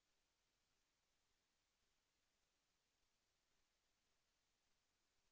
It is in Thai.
สวัสดีครับ